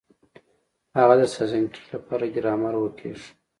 هغه د سانسکرېټ له پاره ګرامر وکېښ.